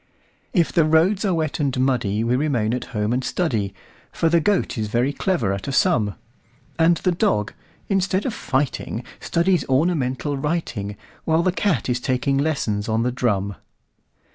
If the roads are wet and muddyWe remain at home and study,—For the Goat is very clever at a sum,—And the Dog, instead of fighting, Studies ornamental writing, While the Cat is taking lessons on the drum.